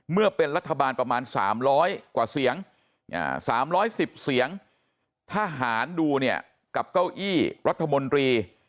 เมื่อเป็นรัฐบาลประมาณ๓๐๐กว่าเสียง๓๑๐เสียงทหารดูเนี่ยกับเก้าอี้รัฐมนตรี